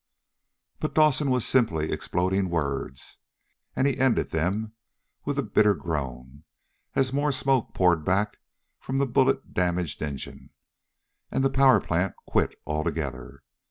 But Dawson was simply exploding words, and he ended them with a bitter groan, as more smoke poured back from the bullet damaged engine, and the power plant quit altogether.